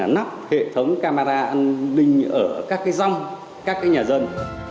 nắp hệ thống camera an ninh ở các rong các nhà dân